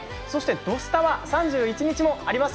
「土スタ」は３１日もあります。